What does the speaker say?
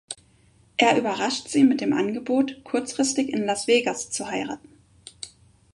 Er überrascht sie mit dem Angebot, kurzfristig in Las Vegas zu heiraten.